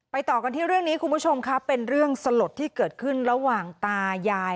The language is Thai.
ต่อกันที่เรื่องนี้คุณผู้ชมครับเป็นเรื่องสลดที่เกิดขึ้นระหว่างตายาย